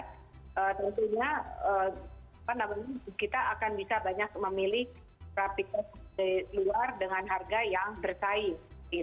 tentunya kita akan bisa banyak memilih trafikasi luar dengan harga yang bersaing